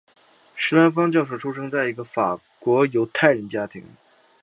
施兰芳教授出生在一个法国犹太人家庭。